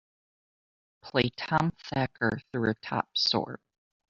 Play Tom Thacker through a top sort.